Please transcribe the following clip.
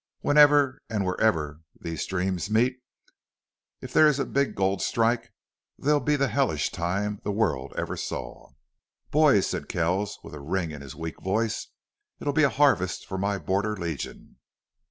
Whenever an' wherever these streams meet, if there's a big gold strike, there'll be the hellishest time the world ever saw!" "Boys," said Kells, with a ring in his weak voice, "it'll be a harvest for my Border Legion."